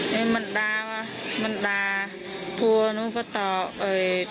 มิววิ่งมันดาว่ะมิววิ่งพูอก็ตอบ